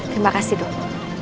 terima kasih duk